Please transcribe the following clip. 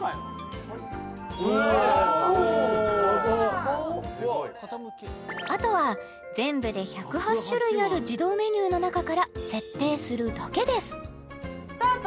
おあとは全部で１０８種類ある自動メニューの中から設定するだけですスタート！